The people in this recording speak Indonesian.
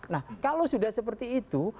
nah kalau sudah seperti itu